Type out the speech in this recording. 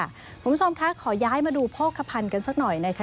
คุณผู้ชมคะขอย้ายมาดูโภคภัณฑ์กันสักหน่อยนะคะ